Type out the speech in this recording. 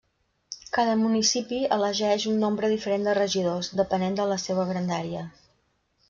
Cada municipi elegeix un nombre diferent de regidors, depenent de la seua grandària.